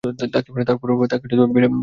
তার পরে তাঁকে ডেকে পাঠালুম।